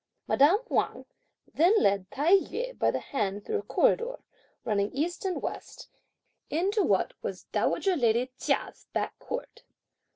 Madame Wang then led Tai yü by the hand through a corridor, running east and west, into what was dowager lady Chia's back court.